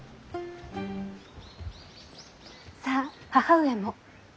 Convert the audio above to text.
さあ義母上も。